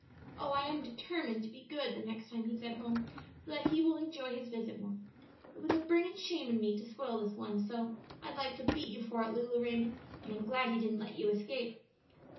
Oh, I am determined to be good the next time he's at home, so that he will enjoy his visit more. It was a burning shame in me to spoil this one so; I'd like to beat you for it, Lulu Raymond, and I'm glad he didn't let you escape."